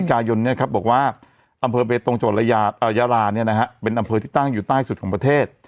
พิการยนต์บอกว่าอำเภอเบตตงโจรยาราเป็นอำเภอที่ตั้งอยู่ใต้สุดของประเทศ